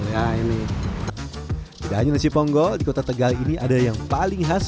tidak hanya nasi ponggol di kota tegal ini ada yang paling khas